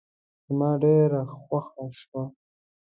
زما ډېره خوښه شوه.